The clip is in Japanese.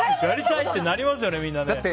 やりたいってなりますよねだって